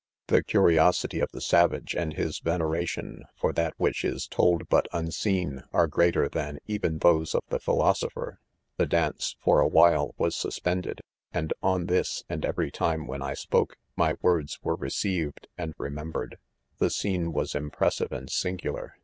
The/: curiosity of the savage ? and his veneration For that which is told but ■u?i$een, eiT@ greater than even those of the.phi* iosopher* The ' dance for &■ while, was sus* pended ; and on this, :.atia 'ever jr.* time when I spoke, my words .were ^eeeived^and remem bered. " .f^ : i • The scene was impressive' arid singular.